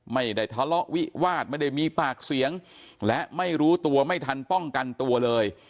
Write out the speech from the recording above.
ไม่ได้ทะเลาะวิวาสไม่ได้มีปากเสียงและไม่รู้ตัวไม่ทันป้องกันตัวเลย